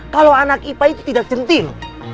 kalau anak ipa itu tidak jentim